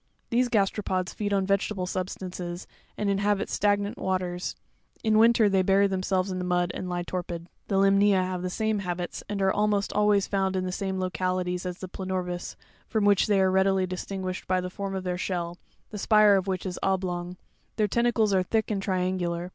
These gasteropods feed on vege table substances, and in habit stagnant waters ; in winter they bury them selves in the mud, and lie torpid. Fig. 29.—pianorsis. 23. The Limnza ( fig. 18, page 33) have the same habits, and are almost always found in the same localities as the planorbis, from which they are readily distinguished by the form of their shell, the spire of which is oblong ; their tenta cles are thick and triangular.